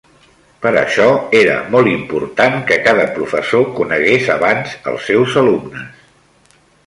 Per això era molt important que cada professor conegués abans els seus alumnes.